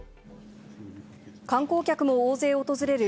観光客も大勢訪れる